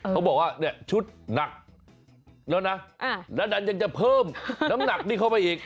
เขาบอกว่าชุดหนักแล้วนั้นยังจะเพิ่มน้ำหนักได้เข้าไปอีก